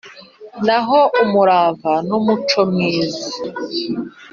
n’aho umurava n’umuco myiza